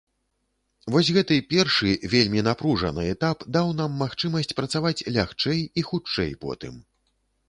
Вось гэты першы, вельмі напружаны этап даў нам магчымасць працаваць лягчэй і хутчэй потым.